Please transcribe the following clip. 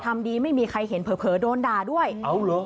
ทำดีไม่มีใครเห็นเผลอโดนด่าด้วยเอาเหรอ